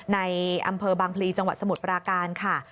ในอำเภอบางพลีจังหวัดสมุทรปราการค่ะ